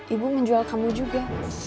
ibu menjual kamu juga